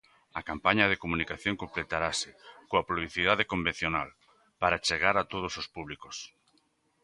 A campaña de comunicación completarase coa publicidade convencional, para chegar a todos os públicos.